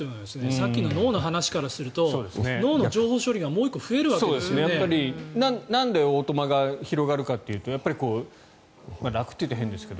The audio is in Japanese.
さっきの脳の話からすると脳の情報処理がなんでオートマが広がるかというと楽と言うと変ですが。